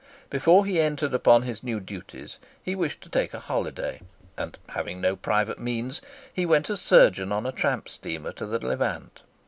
Before he entered upon his new duties he wished to take a holiday, and, having no private means, he went as surgeon on a tramp steamer to the Levant.